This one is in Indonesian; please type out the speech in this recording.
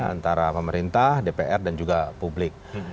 antara pemerintah dpr dan juga publik